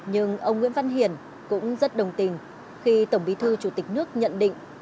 nhưng ông nguyễn văn hiền cũng rất đồng tình khi tổng bí thư chủ tịch nước nhận định